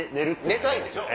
寝たいんでしょ。